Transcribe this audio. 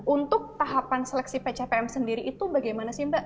untuk tahapan seleksi pcpm sendiri itu bagaimana sih mbak